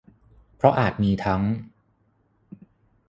เพราะอาจมีทั้ง